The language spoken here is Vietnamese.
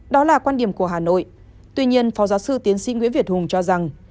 đó là quan điểm của hà nội tuy nhiên phó giáo sư tiến sĩ nguyễn việt hùng cho rằng